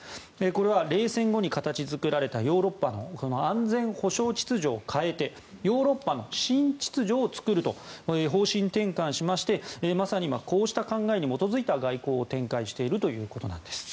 これは冷戦後に形作られたヨーロッパの安全保障秩序を変えてヨーロッパの新秩序を作ると方針転換しましてまさにこうした考えに基づいた外交を展開しているということです。